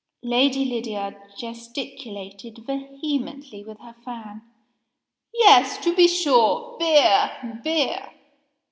Lady Lydiard gesticulated vehemently with her fan. "Yes, to be sure! Beer! beer!"